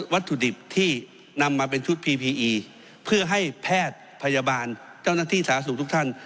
วัตถุดิบที่นำมาเป็นชุดพีพีอีเพื่อให้แพทย์พยาบาลเจ้าหน้าที่สาธารณสุขทุกท่าน